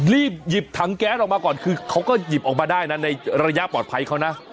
รีบหยิบถังแก๊สออกมาก่อนคือเขาก็หยิบออกมาได้นะในระยะปลอดภัยเขานะ